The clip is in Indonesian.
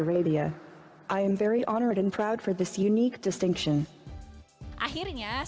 saya ingin mengekspresikan robot dengan kata yang benar